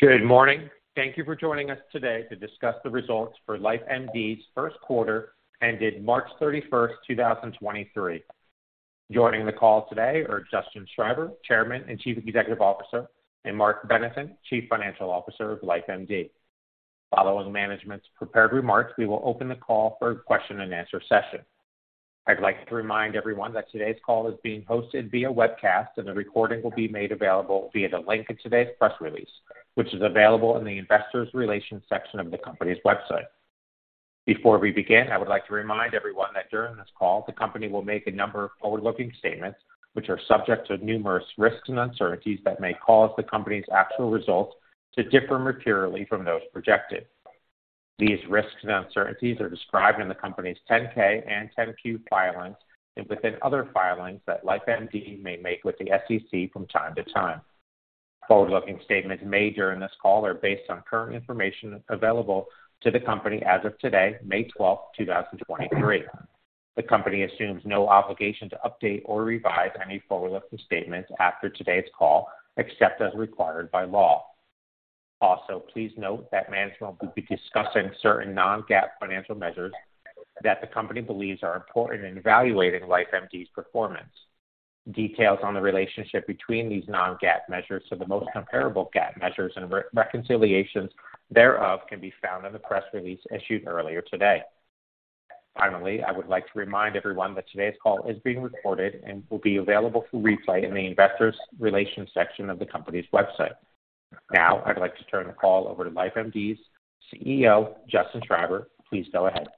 Good morning. Thank you for joining us today to discuss the results for LifeMD's Q1 ended March 31st, 2023. Joining the call today are Justin Schreiber, Chairman and Chief Executive Officer, and Marc Benathen, Chief Financial Officer of LifeMD. Following management's prepared remarks, we will open the call for a question and answer session. I'd like to remind everyone that today's call is being hosted via webcast, and the recording will be made available via the link in today's press release, which is available in the investors relations section of the company's website. Before we begin, I would like to remind everyone that during this call, the company will make a number of forward-looking statements, which are subject to numerous risks and uncertainties that may cause the company's actual results to differ materially from those projected. These risks and uncertainties are described in the company's 10-K and 10-Q filings and within other filings that LifeMD may make with the SEC from time to time. Forward-looking statements made during this call are based on current information available to the company as of today, May 12, 2023. The company assumes no obligation to update or revise any forward-looking statements after today's call, except as required by law. Please note that management will be discussing certain non-GAAP financial measures that the company believes are important in evaluating LifeMD's performance. Details on the relationship between these non-GAAP measures to the most comparable GAAP measures and reconciliations thereof can be found in the press release issued earlier today. I would like to remind everyone that today's call is being recorded and will be available for replay in the investor relations section of the company's website. Now, I'd like to turn the call over to LifeMD's CEO, Justin Schreiber. Please go ahead.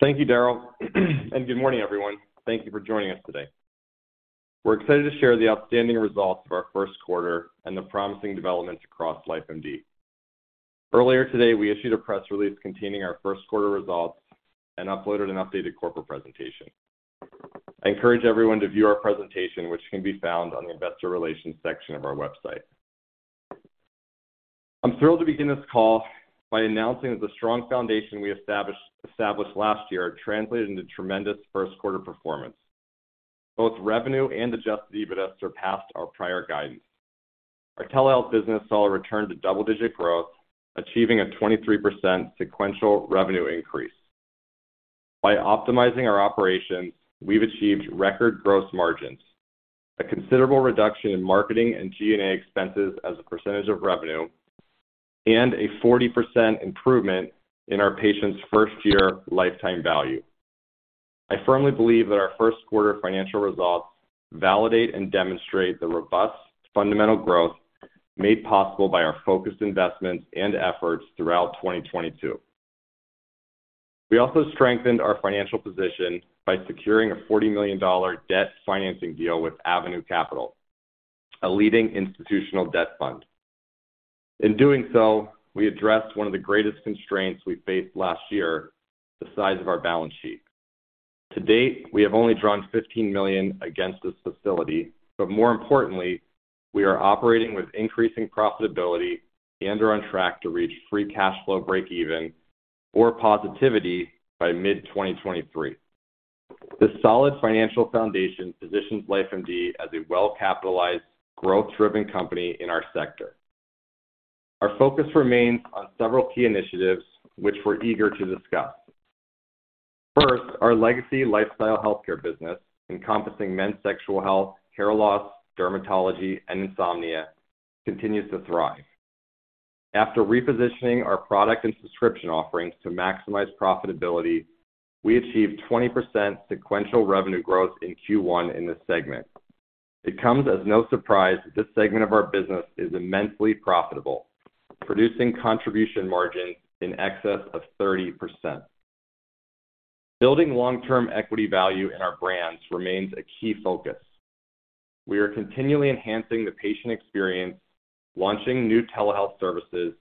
Thank you, Daryl. Good morning, everyone. Thank you for joining us today. We're excited to share the outstanding results of our Q1 and the promising developments across LifeMD. Earlier today, we issued a press release containing our Q1 results and uploaded an updated corporate presentation. I encourage everyone to view our presentation, which can be found on the investor relations section of our website. I'm thrilled to begin this call by announcing that the strong foundation we established last year translated into tremendous Q1 performance. Both revenue and Adjusted EBITDA surpassed our prior guidance. Our telehealth business saw a return to double-digit growth, achieving a 23% sequential revenue increase. By optimizing our operations, we've achieved record gross margins, a considerable reduction in marketing and G&A expenses as a percentage of revenue, and a 40% improvement in our patients' first year lifetime value. I firmly believe that our Q1 financial results validate and demonstrate the robust fundamental growth made possible by our focused investments and efforts throughout 2022. We also strengthened our financial position by securing a $40 million debt financing deal with Avenue Capital, a leading institutional debt fund. In doing so, we addressed one of the greatest constraints we faced last year, the size of our balance sheet. To date, we have only drawn $15 million against this facility, but more importantly, we are operating with increasing profitability and are on track to reach free cash flow break even or positivity by mid-2023. This solid financial foundation positions LifeMD as a well-capitalized, growth-driven company in our sector. Our focus remains on several key initiatives which we're eager to discuss. First, our legacy lifestyle healthcare business, encompassing men's sexual health, hair loss, dermatology, and insomnia, continues to thrive. After repositioning our product and subscription offerings to maximize profitability, we achieved 20% sequential revenue growth in Q1 in this segment. It comes as no surprise that this segment of our business is immensely profitable, producing contribution margins in excess of 30%. Building long-term equity value in our brands remains a key focus. We are continually enhancing the patient experience, launching new telehealth services,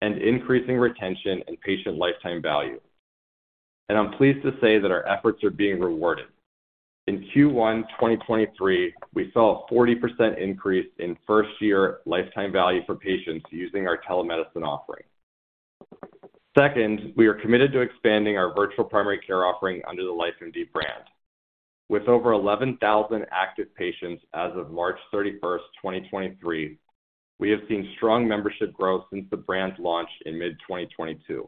and increasing retention and patient lifetime value. I'm pleased to say that our efforts are being rewarded. In Q1, 2023, we saw a 40% increase in first year lifetime value for patients using our telemedicine offering. Second, we are committed to expanding our virtual primary care offering under the LifeMD brand. With over 11,000 active patients as of March 31st, 2023, we have seen strong membership growth since the brand's launch in mid-2022.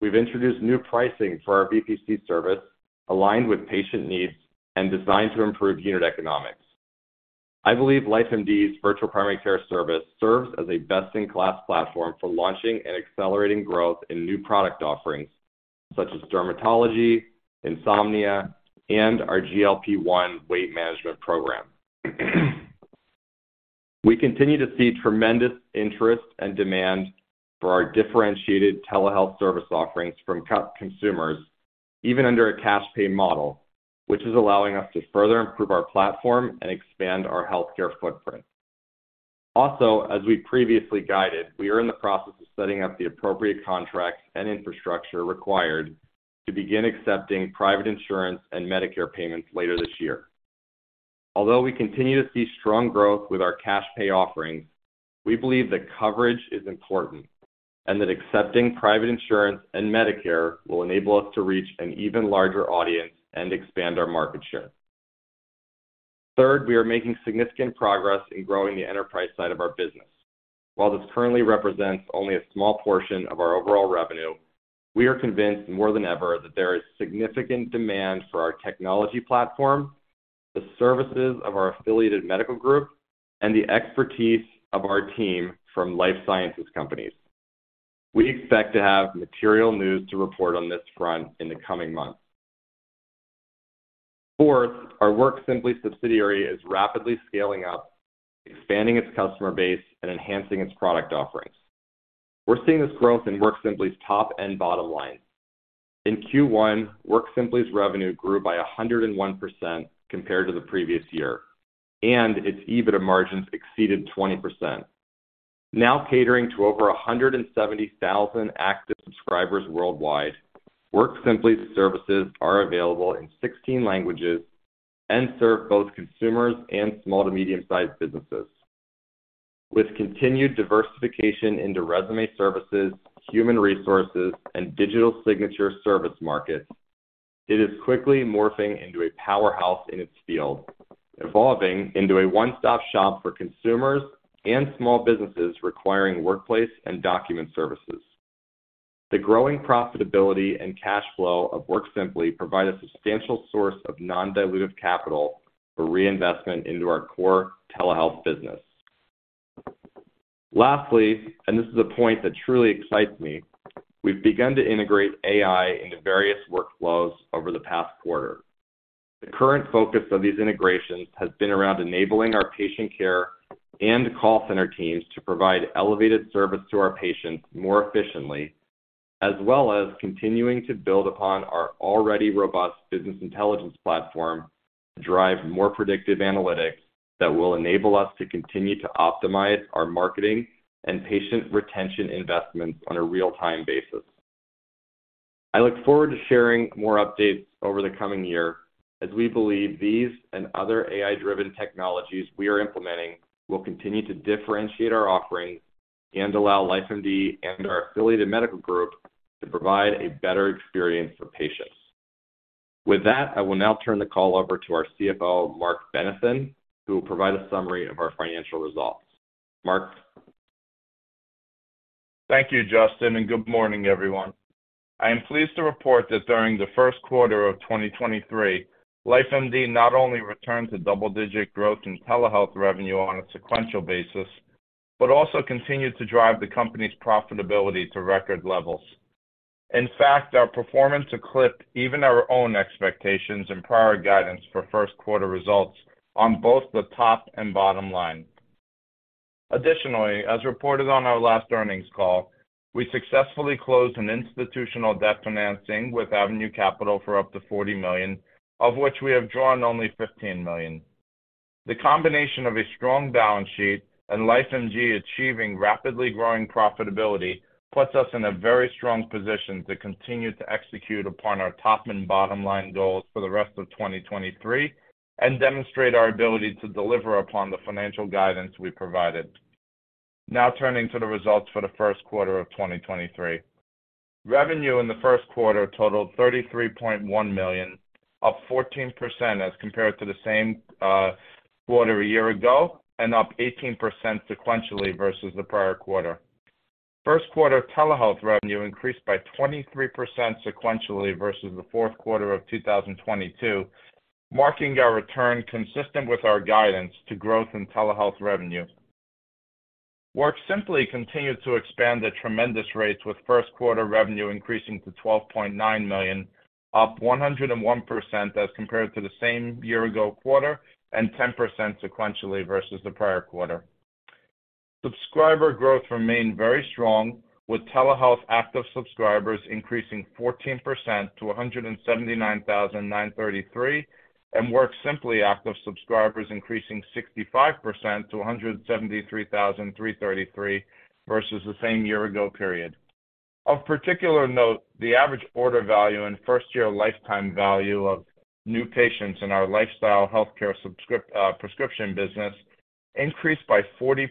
We've introduced new pricing for our VPC service aligned with patient needs and designed to improve unit economics. I believe LifeMD's virtual primary care service serves as a best-in-class platform for launching and accelerating growth in new product offerings such as dermatology, insomnia, and our GLP-1 weight management program. We continue to see tremendous interest and demand for our differentiated telehealth service offerings from consumers, even under a cash pay model, which is allowing us to further improve our platform and expand our healthcare footprint. Also, as we previously guided, we are in the process of setting up the appropriate contracts and infrastructure required to begin accepting private insurance and Medicare payments later this year. Although we continue to see strong growth with our cash pay offerings, we believe that coverage is important. That accepting private insurance and Medicare will enable us to reach an even larger audience and expand our market share. Third, we are making significant progress in growing the enterprise side of our business. While this currently represents only a small portion of our overall revenue, we are convinced more than ever that there is significant demand for our technology platform, the services of our affiliated medical group, and the expertise of our team from life sciences companies. We expect to have material news to report on this front in the coming months. Fourth, our WorkSimpli subsidiary is rapidly scaling up, expanding its customer base, and enhancing its product offerings. We're seeing this growth in WorkSimpli's top and bottom line. In Q1, WorkSimpli's revenue grew by 101% compared to the previous year, and its EBITDA margins exceeded 20%. Now catering to over 170,000 active subscribers worldwide, WorkSimpli's services are available in 16 languages and serve both consumers and small to medium-sized businesses. With continued diversification into resume services, human resources, and digital signature service markets, it is quickly morphing into a powerhouse in its field, evolving into a one-stop-shop for consumers and small businesses requiring workplace and document services. The growing profitability and cash flow of WorkSimpli provide a substantial source of non-dilutive capital for reinvestment into our core telehealth business. Lastly, this is a point that truly excites me, we've begun to integrate AI into various workflows over the past quarter. The current focus of these integrations has been around enabling our patient care and call center teams to provide elevated service to our patients more efficiently, as well as continuing to build upon our already robust business intelligence platform to drive more predictive analytics that will enable us to continue to optimize our marketing and patient retention investments on a real-time basis. I look forward to sharing more updates over the coming year as we believe these and other AI-driven technologies we are implementing will continue to differentiate our offerings and allow LifeMD and our affiliated medical group to provide a better experience for patients. With that, I will now turn the call over to our CFO, Marc Benathen, who will provide a summary of our financial results. Marc. Thank you, Justin, and good morning, everyone. I am pleased to report that during the Q1 of 2023, LifeMD not only returned to double-digit growth in telehealth revenue on a sequential basis, but also continued to drive the company's profitability to record levels. In fact, our performance eclipsed even our own expectations and prior guidance for Q1 results on both the top and bottom line. As reported on our last earnings call, we successfully closed an institutional debt financing with Avenue Capital for up to $40 million, of which we have drawn only $15 million. The combination of a strong balance sheet and LifeMD achieving rapidly growing profitability puts us in a very strong position to continue to execute upon our top and bottom line goals for the rest of 2023 and demonstrate our ability to deliver upon the financial guidance we provided. Now turning to the results for the Q1 of 2023. Revenue in the Q1 totaled $33.1 million, up 14% as compared to the same quarter a year ago, and up 18% sequentially versus the prior quarter. Q1 telehealth revenue increased by 23% sequentially versus the Q4 of 2022, marking our return consistent with our guidance to growth in telehealth revenue. WorkSimpli continued to expand at tremendous rates with first-quarter revenue increasing to $12.9 million, up 101% as compared to the same year ago quarter, and 10% sequentially versus the prior quarter. Subscriber growth remained very strong, with telehealth active subscribers increasing 14% to 179,933, and WorkSimpli active subscribers increasing 65% to 173,333 versus the same year ago period. Of particular note, the average order value and first-year lifetime value of new patients in our lifestyle healthcare prescription business increased by 40%.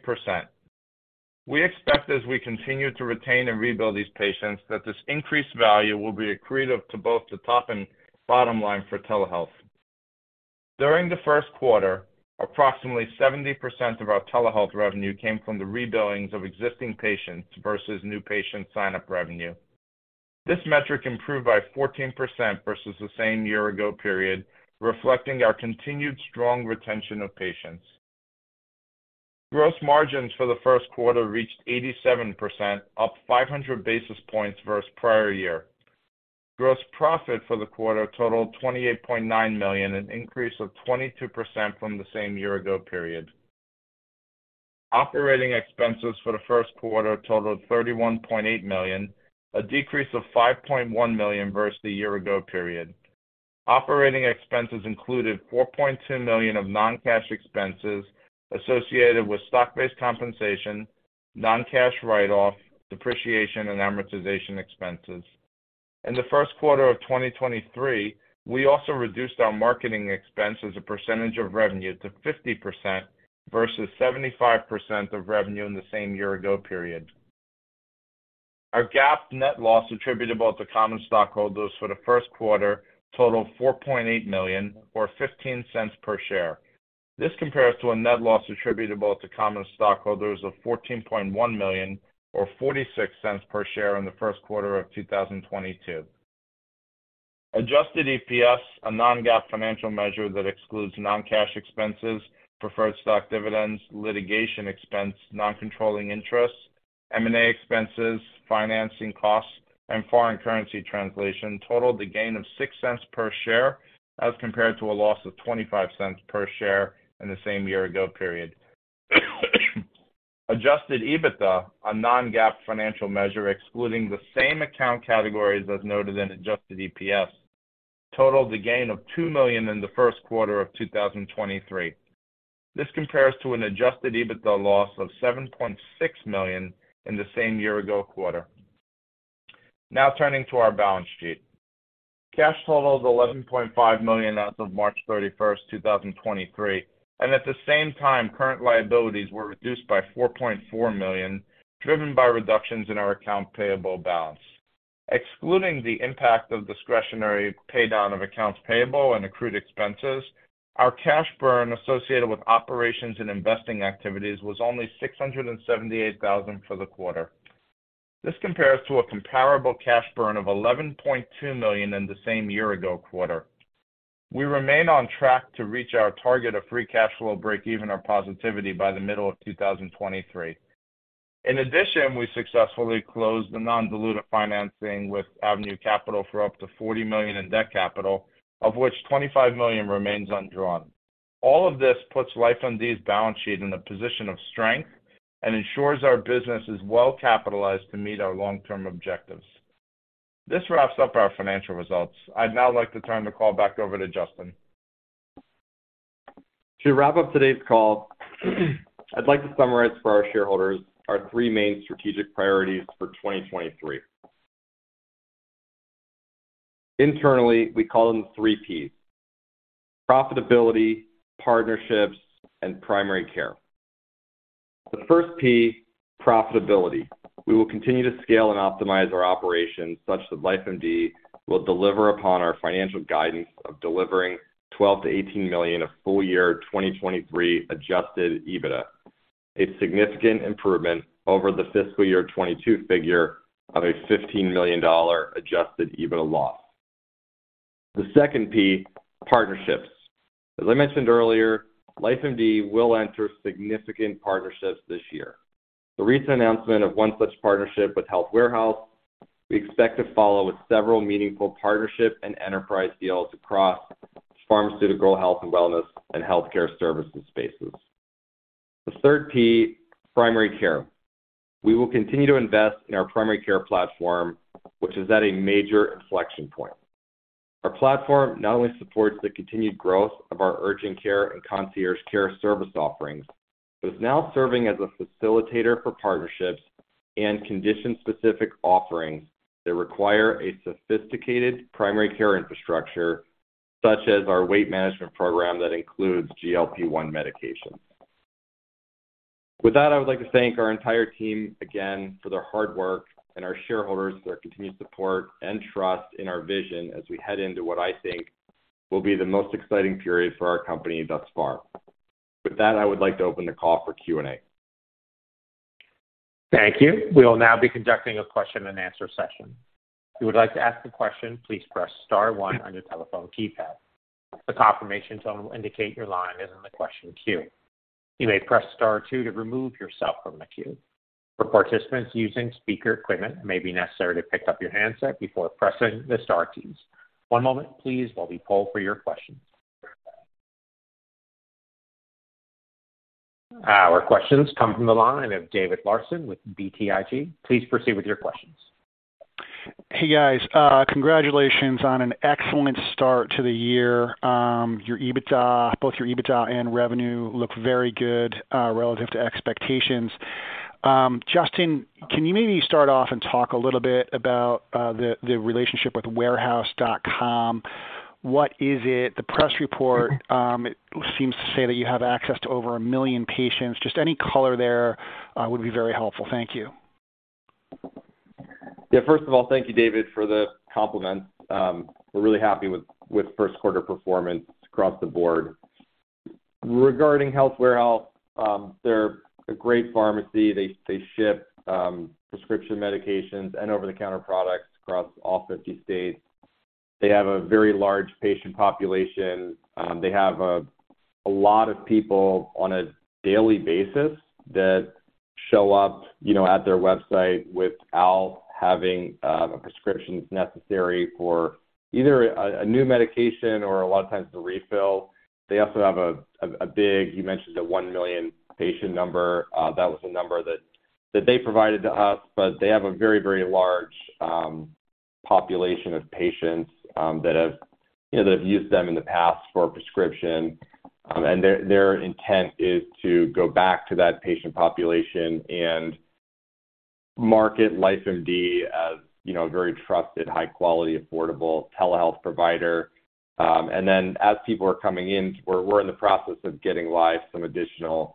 We expect, as we continue to retain and re-bill these patients, that this increased value will be accretive to both the top and bottom line for telehealth. During the Q1, approximately 70% of our telehealth revenue came from the re-billings of existing patients versus new patient sign-up revenue. This metric improved by 14% versus the same year ago period, reflecting our continued strong retention of patients. Gross margins for the Q1 reached 87%, up 500 basis points versus prior year. Gross profit for the quarter totaled $28.9 million, an increase of 22% from the same year ago period. Operating expenses for the Q1 totaled $31.8 million, a decrease of $5.1 million versus the year ago period. Operating expenses included $4.2 million of non-cash expenses associated with stock-based compensation, non-cash write-off, depreciation, and amortization expenses. In the Q1 of 2023, we also reduced our marketing expense as a percentage of revenue to 50% versus 75% of revenue in the same year ago period. Our GAAP net loss attributable to common stockholders for the Q1 totaled $4.8 million or $0.15 per share. This compares to a net loss attributable to common stockholders of $14.1 million or $0.46 per share in the Q1 of 2022. Adjusted EPS, a non-GAAP financial measure that excludes non-cash expenses, preferred stock dividends, litigation expense, non-controlling interests, M&A expenses, financing costs, and foreign currency translation totaled a gain of $0.06 per share as compared to a loss of $0.25 per share in the same year-ago period. Adjusted EBITDA, a non-GAAP financial measure excluding the same account categories as noted in Adjusted EPS, totaled a gain of $2 million in the Q1 of 2023. This compares to an Adjusted EBITDA loss of $7.6 million in the same year-ago quarter. Turning to our balance sheet. Cash total is $11.5 million as of March 31st, 2023. At the same time, current liabilities were reduced by $4.4 million, driven by reductions in our accounts payable balance. Excluding the impact of discretionary pay down of accounts payable and accrued expenses, our cash burn associated with operations and investing activities was only $678,000 for the quarter. This compares to a comparable cash burn of $11.2 million in the same year-ago quarter. We remain on track to reach our target of free cash flow breakeven or positivity by the middle of 2023. In addition, we successfully closed the non-dilutive financing with Avenue Capital for up to $40 million in debt capital, of which $25 million remains undrawn. All of this puts LifeMD's balance sheet in a position of strength and ensures our business is well-capitalized to meet our long-term objectives. This wraps up our financial results. I'd now like to turn the call back over to Justin. To wrap up today's call, I'd like to summarize for our shareholders our three main strategic priorities for 2023. Internally, we call them three Ps: profitability, partnerships, and primary care. The first P, profitability. We will continue to scale and optimize our operations such that LifeMD will deliver upon our financial guidance of delivering $12 to 18 million of full year 2023 Adjusted EBITDA, a significant improvement over the fiscal year 2022 figure of a $15 million Adjusted EBITDA loss. The second P, partnerships. As I mentioned earlier, LifeMD will enter significant partnerships this year. The recent announcement of one such partnership with HealthWarehouse, we expect to follow with several meaningful partnership and enterprise deals across pharmaceutical health and wellness and healthcare services spaces. The third P, primary care. We will continue to invest in our primary care platform, which is at a major inflection point. Our platform not only supports the continued growth of our urgent care and concierge care service offerings, but is now serving as a facilitator for partnerships and condition-specific offerings that require a sophisticated primary care infrastructure, such as our weight management program that includes GLP-1 medication. I would like to thank our entire team again for their hard work and our shareholders for their continued support and trust in our vision as we head into what I think will be the most exciting period for our company thus far. I would like to open the call for Q&A. Thank you. We will now be conducting a question and answer session. If you would like to ask a question, please press star one on your telephone keypad. The confirmation tone will indicate your line is in the question queue. You may press star two to remove yourself from the queue. For participants using speaker equipment, it may be necessary to pick up your handset before pressing the star keys. One moment please while we poll for your questions. Our questions come from the line of David Larsen with BTIG. Please proceed with your questions. Hey, guys. Congratulations on an excellent start to the year. Your EBITDA, both your EBITDA and revenue look very good relative to expectations. Justin, can you maybe start off and talk a little bit about the relationship with HealthWarehouse.com? What is it? The press report, it seems to say that you have access to over 1 million patients. Just any color there would be very helpful. Thank you. Yeah. First of all, thank you, David, for the compliment. We're really happy with Q1 performance across the board. Regarding Health Warehouse, they're a great pharmacy. They ship prescription medications and over-the-counter products across all 50 states. They have a very large patient population. They have a lot of people on a daily basis that show up, you know, at their website without having a prescription necessary for either a new medication or a lot of times a refill. They also have a big, you mentioned a 1 million patient number. That was a number that they provided to us, but they have a very, very large population of patients that have, you know, that have used them in the past for a prescription. Their intent is to go back to that patient population and market LifeMD as, you know, a very trusted, high quality, affordable telehealth provider. Then as people are coming in, we're in the process of getting live some additional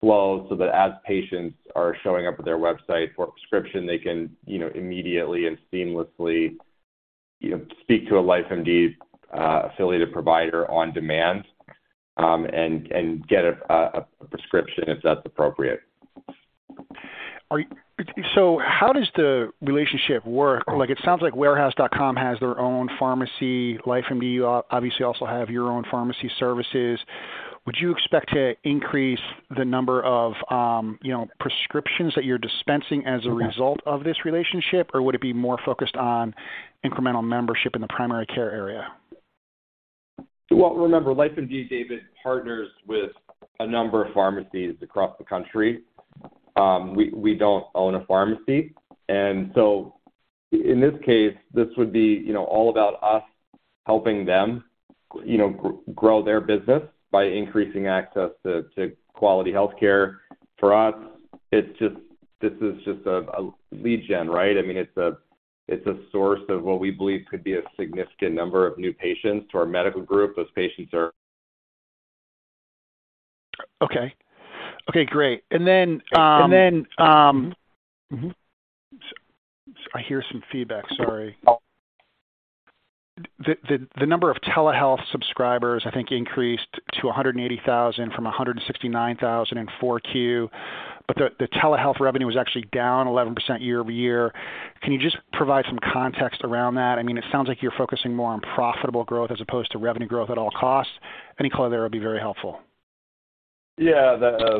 flow so that as patients are showing up at their website for a prescription, they can, you know, immediately and seamlessly, you know, speak to a LifeMD affiliated provider on demand, and get a prescription if that's appropriate. How does the relationship work? Like, it sounds like HealthWarehouse.com has their own pharmacy. LifeMD, you obviously also have your own pharmacy services. Would you expect to increase the number of, you know, prescriptions that you're dispensing as a result of this relationship, or would it be more focused on incremental membership in the primary care area? Well, remember, LifeMD, David, partners with a number of pharmacies across the country. We, we don't own a pharmacy. In this case, this would be, you know, all about us helping them, you know, grow their business by increasing access to quality healthcare. For us, this is just a lead gen, right? I mean, it's a, it's a source of what we believe could be a significant number of new patients to our medical group. Those patients are- Okay. Okay, great. I hear some feedback, sorry. The number of telehealth subscribers, I think, increased to 180,000 from 169,000 in 4Q. The telehealth revenue was actually down 11% year-over-year. Can you just provide some context around that? I mean, it sounds like you're focusing more on profitable growth as opposed to revenue growth at all costs. Any color there would be very helpful. This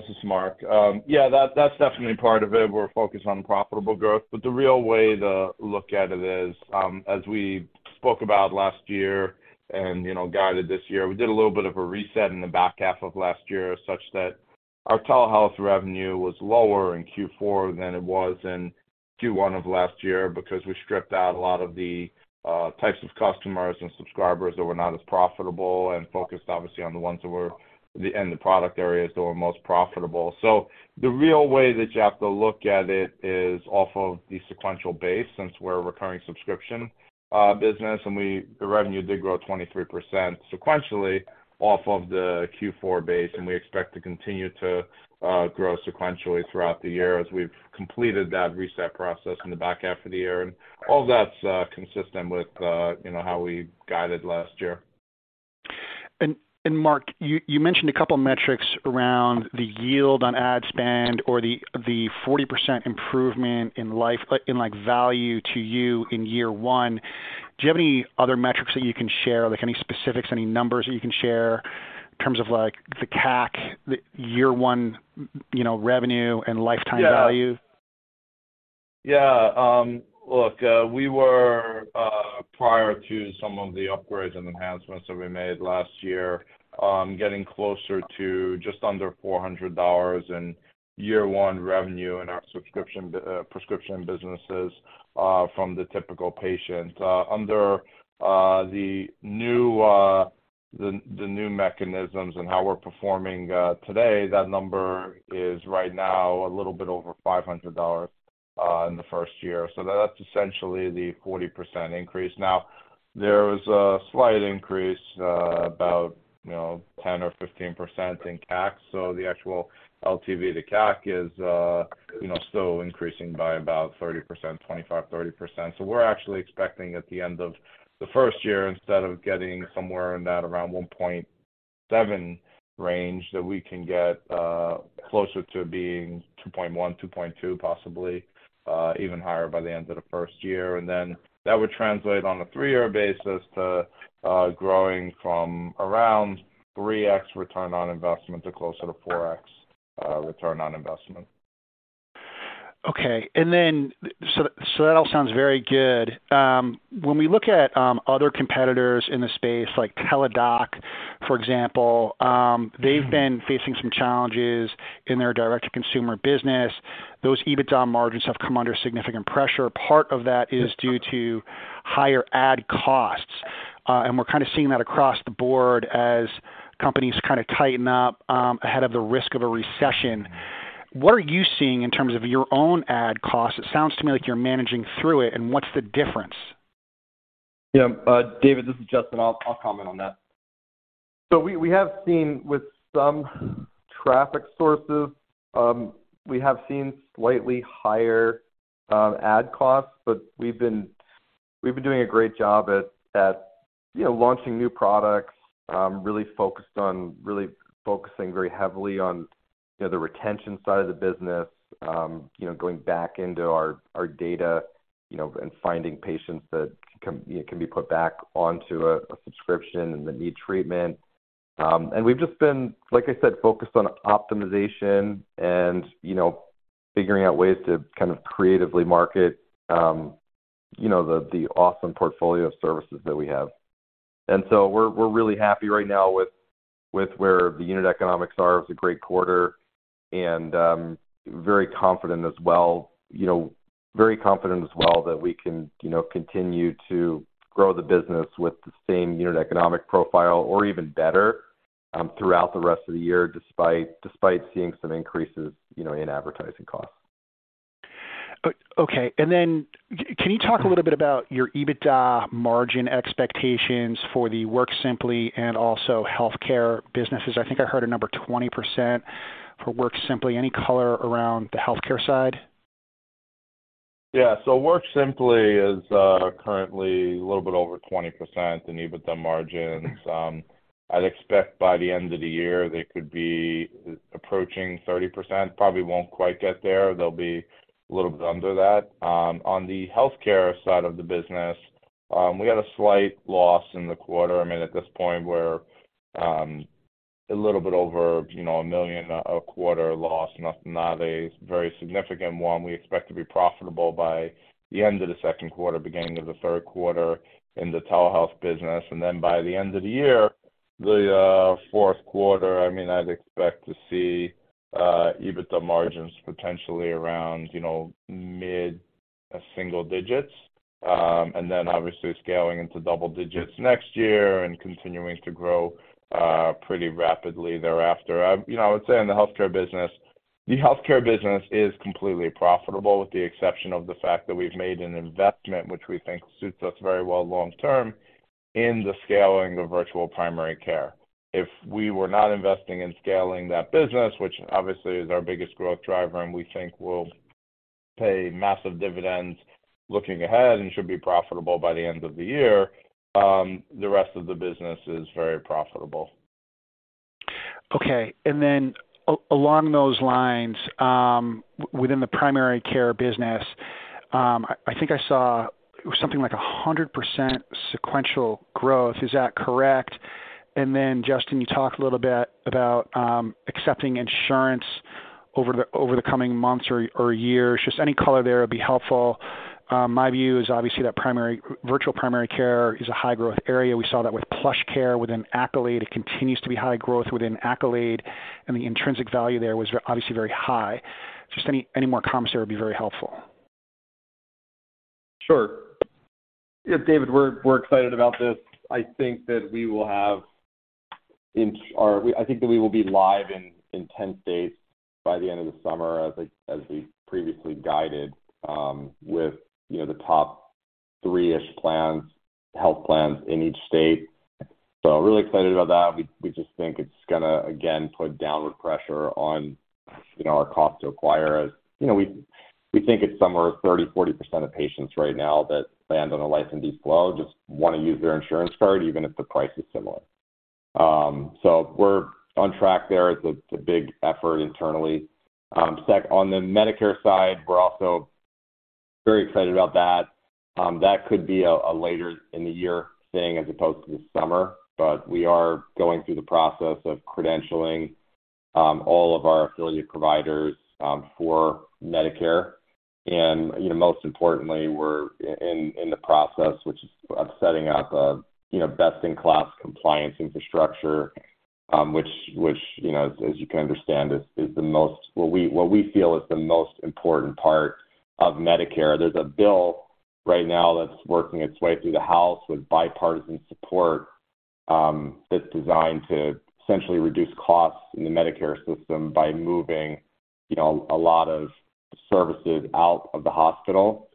is Marc. Yeah, that's definitely part of it. We're focused on profitable growth, the real way to look at it is, as we spoke about last year and, you know, guided this year, we did a little bit of a reset in the back half of last year, such that our telehealth revenue was lower in Q4 than it was in Q1 of last year because we stripped out a lot of the types of customers and subscribers that were not as profitable and focused obviously on the ones that were... and the product areas that were most profitable. The real way that you have to look at it is off of the sequential base, since we're a recurring subscription business, the revenue did grow 23% sequentially off of the Q4 base, and we expect to continue to grow sequentially throughout the year as we've completed that reset process in the back half of the year. All that's consistent with, you know, how we guided last year. Marc Benathen, you mentioned a couple metrics around the yield on ad spend or the 40% improvement in LifeMD, like value to you in year one. Do you have any other metrics that you can share, like any specifics, any numbers that you can share in terms of like the CAC, the year one, you know, revenue and lifetime value? Yeah. Yeah. Look, we were prior to some of the upgrades and enhancements that we made last year, getting closer to just under $400 in year one revenue in our subscription prescription businesses from the typical patient. Under the new mechanisms and how we're performing today, that number is right now a little bit over $500 in the first year. That's essentially the 40% increase. There was a slight increase about, you know, 10% to 15% in CAC, so the actual LTV to CAC is, you know, still increasing by about 30%, 25% to 30%. We're actually expecting at the end of the first year, instead of getting somewhere in that around 1.7 range, that we can get closer to being 2.1, 2.2, possibly even higher by the end of the first year. That would translate on a 3-year basis to growing from around 3x ROI to closer to 4x ROI. Okay. That all sounds very good. When we look at other competitors in the space like Teladoc, for example, they've been facing some challenges in their direct-to-consumer business. Those EBITDA margins have come under significant pressure. Part of that is due to higher ad costs. We're kinda seeing that across the board as companies kinda tighten up ahead of the risk of a recession. What are you seeing in terms of your own ad costs? It sounds to me like you're managing through it, and what's the difference? Yeah, David, this is Justin. I'll comment on that. We have seen with some traffic sources, we have seen slightly higher ad costs, but we've been doing a great job at, you know, launching new products, really focused on really focusing very heavily on, you know, the retention side of the business, you know, going back into our data, you know, and finding patients that can be put back onto a subscription and that need treatment. We've just been, like I said, focused on optimization and, you know, figuring out ways to kind of creatively market, you know, the awesome portfolio of services that we have. We're really happy right now with where the unit economics are. It was a great quarter. Very confident as well, you know, very confident as well that we can, you know, continue to grow the business with the same unit economic profile or even better, throughout the rest of the year despite seeing some increases, you know, in advertising costs. Okay. Can you talk a little bit about your EBITDA margin expectations for the WorkSimpli and also healthcare businesses? I think I heard a number 20% for WorkSimpli. Any color around the healthcare side? Yeah. WorkSimpli is currently a little bit over 20% in EBITDA margins. I'd expect by the end of the year they could be approaching 30%. Probably won't quite get there. They'll be a little bit under that. On the healthcare side of the business, we had a slight loss in the quarter. I mean, at this point we're a little bit over, you know, a $1 million a quarter loss. Not a very significant one. We expect to be profitable by the end of the Q2, beginning of the Q3 in the telehealth business. By the end of the year, the Q4, I mean, I'd expect to see EBITDA margins potentially around, you know, mid-single digits. Obviously scaling into double digits next year and continuing to grow pretty rapidly thereafter. you know, I would say in the healthcare business, the healthcare business is completely profitable with the exception of the fact that we've made an investment which we think suits us very well long term in the scaling of virtual primary care. If we were not investing in scaling that business, which obviously is our biggest growth driver and we think will pay massive dividends looking ahead and should be profitable by the end of the year, the rest of the business is very profitable. Okay. Along those lines, within the primary care business, I think I saw it was something like 100% sequential growth. Is that correct? Justin, you talked a little bit about accepting insurance over the, over the coming months or years. Just any color there would be helpful. My view is obviously that virtual primary care is a high growth area. We saw that with PlushCare, within Accolade. It continues to be high growth within Accolade, and the intrinsic value there was obviously very high. Just any more comments there would be very helpful. Sure. Yeah, David, we're excited about this. I think that we will be live in 10 states by the end of the summer, as we previously guided, with, you know, the top 3-ish plans, health plans in each state. Really excited about that. We just think it's gonna again, put downward pressure on, you know, our cost to acquire. As you know, we think it's somewhere 30% to 40% of patients right now that land on a LifeMD flow just wanna use their insurance card even if the price is similar. We're on track there. It's a big effort internally. On the Medicare side, we're also very excited about that. That could be a later in the year thing as opposed to this summer, but we are going through the process of credentialing all of our affiliate providers for Medicare. You know, most importantly, we're in the process, which is of setting up a, you know, best in class compliance infrastructure, which, you know, as you can understand is what we feel is the most important part of Medicare. There's a bill right now that's working its way through the House with bipartisan support, that's designed to essentially reduce costs in the Medicare system by moving, you know, a lot of services out of the hospital.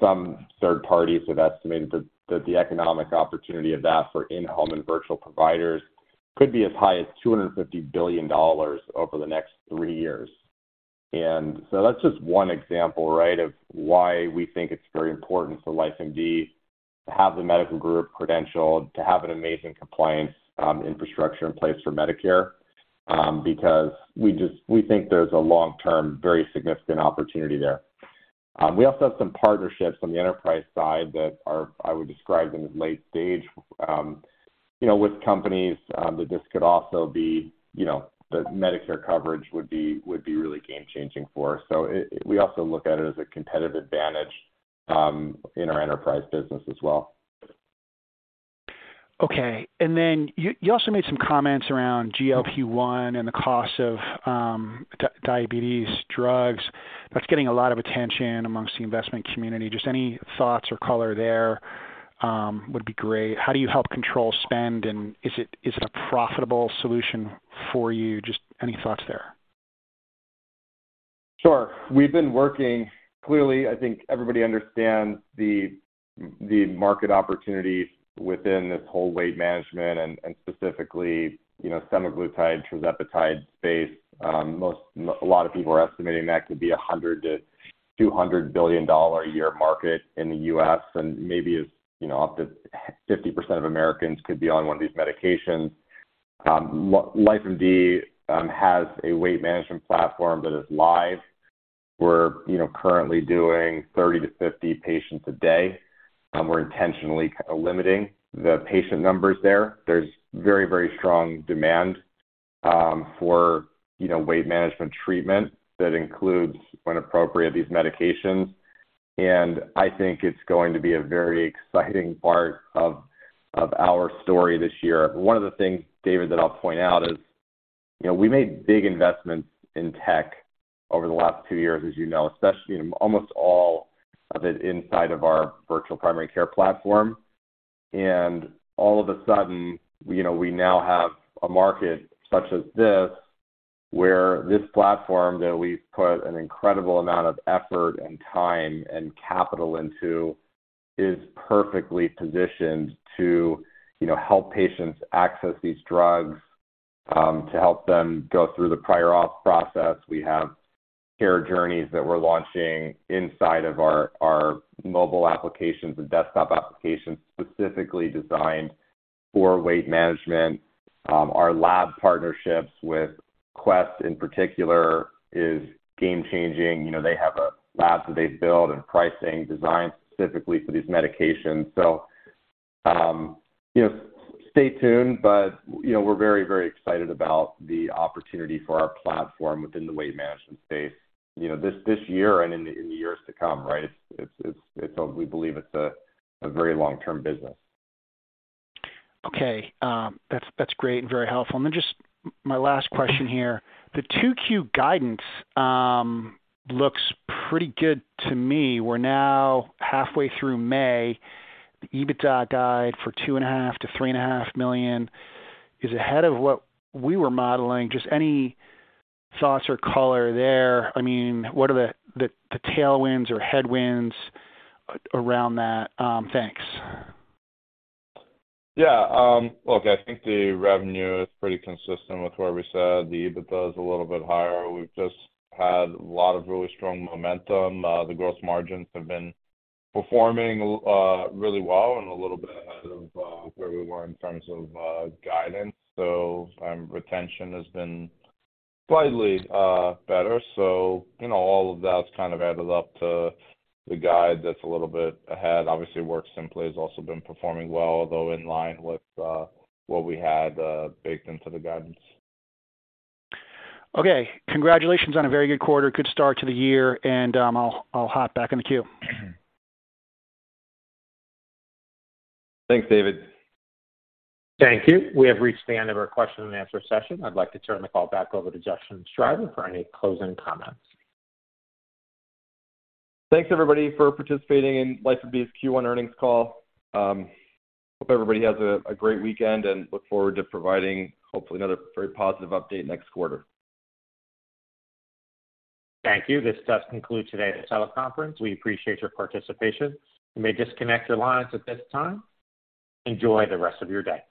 Some third parties have estimated that the economic opportunity of that for in-home and virtual providers could be as high as $250 billion over the next three years. That's just one example, right, of why we think it's very important for LifeMD to have the medical group credentialed, to have an amazing compliance infrastructure in place for Medicare because we think there's a long-term very significant opportunity there. We also have some partnerships on the enterprise side that are, I would describe them as late stage, you know, with companies that this could also be, you know, the Medicare coverage would be really game changing for us. We also look at it as a competitive advantage in our enterprise business as well. Okay. You also made some comments around GLP-1 and the cost of diabetes drugs. That's getting a lot of attention amongst the investment community. Just any thoughts or color there would be great. How do you help control spend, and is it a profitable solution for you? Just any thoughts there. Sure. We've been working. Clearly, I think everybody understands the market opportunity within this whole weight management and specifically, you know, semaglutide, tirzepatide space. A lot of people are estimating that could be a $100 to 200 billion a year market in the US, and maybe as, you know, up to 50% of Americans could be on one of these medications. LifeMD has a weight management platform that is live. We're, you know, currently doing 30 to 50 patients a day. We're intentionally kind of limiting the patient numbers there. There's very strong demand, for, you know, weight management treatment that includes, when appropriate, these medications. I think it's going to be a very exciting part of our story this year. One of the things, David, that I'll point out is, you know, we made big investments in tech over the last two years, as you know, especially in almost all of it inside of our virtual primary care platform. All of a sudden, you know, we now have a market such as this, where this platform that we've put an incredible amount of effort and time and capital into is perfectly positioned to, you know, help patients access these drugs, to help them go through the prior auth process. We have care journeys that we're launching inside of our mobile applications and desktop applications specifically designed for weight management. Our lab partnerships with Quest in particular is game changing. You know, they have a lab that they've built and pricing designed specifically for these medications. You know, stay tuned. You know, we're very excited about the opportunity for our platform within the weight management space, you know, this year and in the years to come, right? It's we believe it's a very long-term business. Okay. That's great and very helpful. Just my last question here, the Q2 guidance looks pretty good to me. We're now halfway through May. The EBITDA guide for $ two and a half to three point half million is ahead of what we were modeling. Just any thoughts or color there? I mean, what are the tailwinds or headwinds around that? Thanks. Yeah. Look, I think the revenue is pretty consistent with where we said. The EBITDA is a little bit higher. We've just had a lot of really strong momentum. The gross margins have been performing really well and a little bit ahead of where we were in terms of guidance. Retention has been slightly better. You know, all of that's kind of added up to the guide that's a little bit ahead. Obviously, WorkSimpli has also been performing well, although in line with what we had baked into the guidance. Okay. Congratulations on a very good quarter. Good start to the year, and I'll hop back in the queue. Thanks, David. Thank you. We have reached the end of our question and answer session. I'd like to turn the call back over to Justin Schreiber for any closing comments. Thanks, everybody for participating in LifeMD's Q1 earnings call. Hope everybody has a great weekend and look forward to providing hopefully another very positive update next quarter. Thank you. This does conclude today's teleconference. We appreciate your participation. You may disconnect your lines at this time. Enjoy the rest of your day.